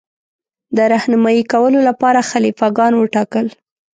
د رهنمايي کولو لپاره خلیفه ګان وټاکل.